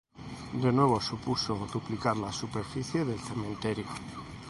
De nuevo supuso duplicar la superficie del cementerio.